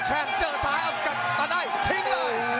แค้นเจอสายเอาเกิดตะไนทิ้งเลย